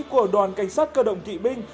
của đoàn cảnh sát cơ động kỵ binh